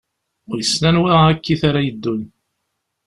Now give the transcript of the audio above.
Wissen anwa akkit ara yeddun?